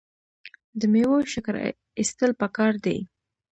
د میوو شکر ایستل پکار دي.